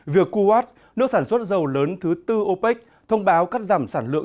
việc kuwait nước sản xuất dầu lớn thứ tư opec thông báo cắt giảm sản lượng